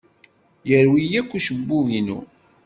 Yerwi akk ucebbub-inu.